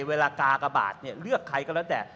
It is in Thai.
เวลากากบาทเลือกใครก็แล้วแต่